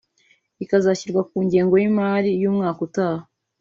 ikazashyirwa ku ngengo y’imari y’umwaka utaha